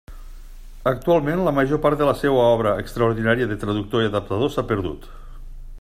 Actualment la major part de la seva obra extraordinària de traductor i adaptador s'ha perdut.